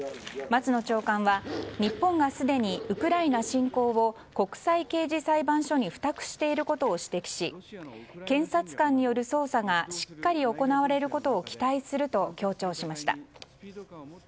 松野長官は日本がすでにウクライナ侵攻を国際刑事裁判所に付託していることを指摘し検察官による捜査がしっかり行われることを期待すると強調しました。